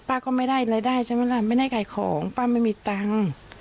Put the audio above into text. ก็ไม่ได้รายได้ใช่ไหมล่ะไม่ได้ขายของป้าไม่มีตังค์